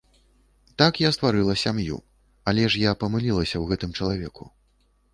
Так я стварыла сям'ю, але ж я памылілася ў гэтым чалавеку!